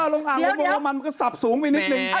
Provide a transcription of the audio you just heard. ลงอ่างโรมันก็สับสูงไปนิดหนึ่ง